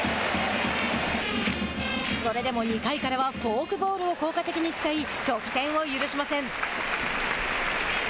それでも２回からはフォークボールを効果的に使い得点を許しません。